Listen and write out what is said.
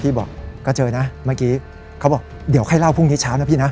บอกก็เจอนะเมื่อกี้เขาบอกเดี๋ยวให้เล่าพรุ่งนี้เช้านะพี่นะ